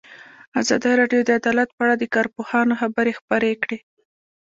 ازادي راډیو د عدالت په اړه د کارپوهانو خبرې خپرې کړي.